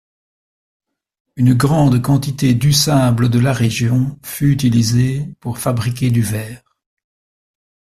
Une grande quantité du sable de la région fut utilisée pour fabriquer du verre.